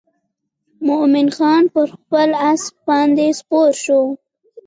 مومن خان پر خپل آس باندې سپور شو.